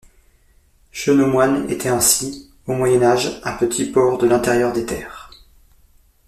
Chenaumoine était ainsi, au Moyen Âge, un petit port de l'intérieur des terres.